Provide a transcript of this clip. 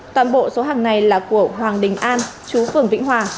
toàn bộ số hàng này là của hoàng đình an chú phường vĩnh hòa